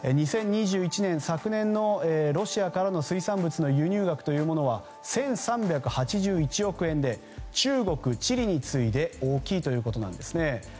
２０２１年、昨年のロシアからの水産物の輸入額は１３８１億円で中国、チリに次いで大きいということなんですね。